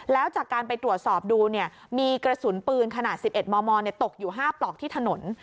แล้วจากการไปตรวจสอบดูมีกระสุนปืนขนาด๑๑มมตกอยู่๕ปลอกที่ถนน